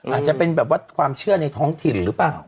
อาจจะเป็นแบบว่าความเชื่อในท้องถิ่นหรือเปล่า